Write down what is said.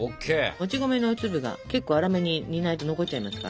もち米の粒が結構粗めに煮ないと残っちゃいますから。